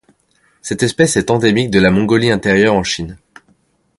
Cette espèce est endémique de la Mongolie-intérieure en Chine.